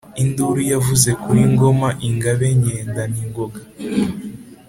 Induru yavuze kuli Ngoma ingabe nyendana ingoga